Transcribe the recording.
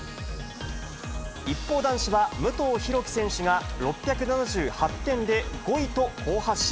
一方、男子は武藤弘樹選手が６７８点で５位と好発進。